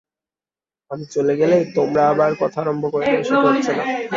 আমি চলে গেলেই তোমরা আবার কথা আরম্ভ করে দেবে, সেটি হচ্ছে না।